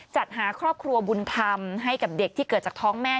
จัดหาครอบครัวบุญธรรมให้กับเด็กที่เกิดจากท้องแม่